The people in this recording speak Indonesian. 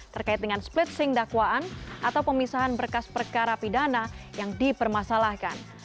terkait dengan splitsing dakwaan atau pemisahan berkas perkara pidana yang dipermasalahkan